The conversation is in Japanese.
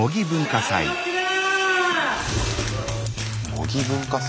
模擬文化祭？